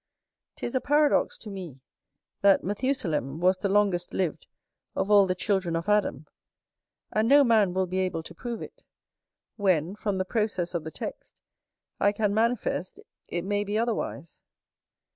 'Tis a paradox to me, that Methusalem was the longest lived of all the children of Adam; and no man will be able to prove it; when, from the process of the text, I can manifest it may be otherwise.